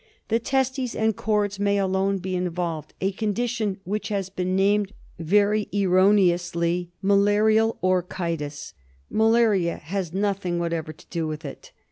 The testes and cords may alone be involved, a condition which has been named, very erroneously, malarial orchitis ; malaria has nothing what ever to do with it.